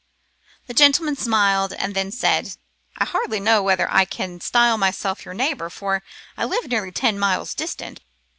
The gentleman smiled, and then said, 'I hardly know whether I can style myself your neighbour, for I live nearly ten miles distant.